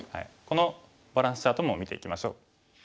このバランスチャートも見ていきましょう。